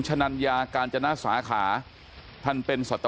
จะช่วยกันยังไง